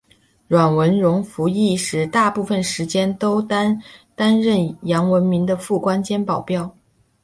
阮文戎服役时大部分时间都担任杨文明的副官兼保镖。